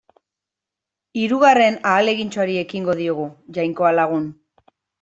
Hirugarren ahalegintxoari ekingo diogu, Jainkoa lagun.